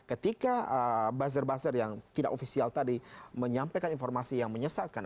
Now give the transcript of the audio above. ketika buzzer buzzer yang tidak ofisial tadi menyampaikan informasi yang menyesatkan